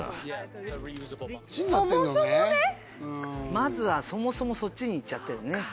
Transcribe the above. まずはそもそもそっちにいっちゃってるのね。